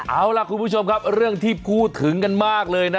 เอาล่ะคุณผู้ชมครับเรื่องที่พูดถึงกันมากเลยนะ